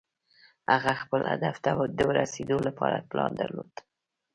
هغه خپل هدف ته د رسېدو لپاره پلان درلود.